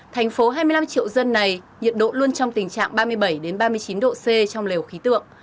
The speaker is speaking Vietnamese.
thành phố hai mươi năm triệu dân này nhiệt độ luôn trong tình trạng ba mươi bảy ba mươi chín độ c trong lều khí tượng